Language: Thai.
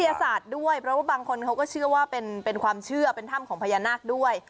ศาสตร์ด้วยเพราะว่าบางคนเขาก็เชื่อว่าเป็นความเชื่อเป็นถ้ำของพญานาคด้วย